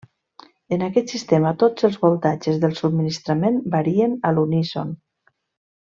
En aquest sistema tots els voltatges del subministrament varien a l'uníson.